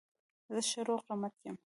زه ښه روغ رمټ یم.